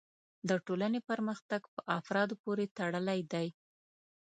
د ټولنې پرمختګ په افرادو پورې تړلی دی.